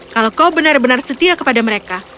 kalau kau benar benar setia kepada mereka